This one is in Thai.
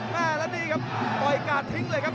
แม่แล้วนี่ครับปล่อยกาดทิ้งเลยครับ